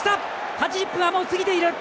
８０分はもう過ぎている。